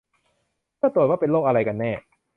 เพื่อตรวจว่าเป็นโรคอะไรกันแน่